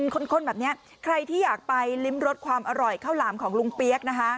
ข้นแบบนี้ใครที่อยากไปลิ้มรสความอร่อยข้าวหลามของลุงเปี๊ยกนะคะ